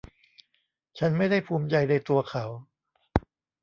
ฉันไม่ได้ภูมิใจในตัวเขา